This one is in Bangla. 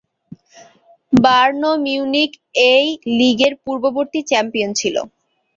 বায়ার্ন মিউনিখ এই লীগের পূর্ববর্তী চ্যাম্পিয়ন ছিল।